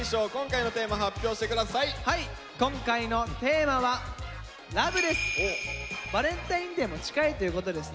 今回のテーマはバレンタインデーも近いということでですね